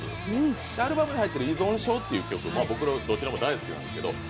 アルバムに入っている「依存症」という曲、どちらも大好きなんですけど